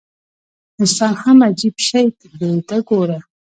انسان هم عجیب شی دی ته وګوره.